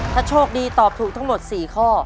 ถ้าโชคดีตอบถูกทั้งหมด๔ข้อ